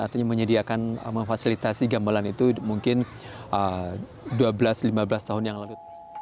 artinya menyediakan memfasilitasi gamelan itu mungkin dua belas lima belas tahun yang lalu